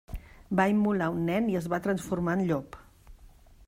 Va immolar un nen i es va transformar en llop.